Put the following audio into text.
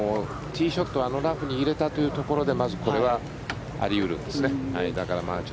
ティーショットをあのラフに入れたというところでまずこれはあり得るんですね。